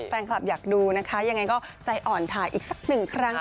แฟนคลับอยากดูนะคะยังไงก็ใจอ่อนถ่ายอีกสักหนึ่งครั้ง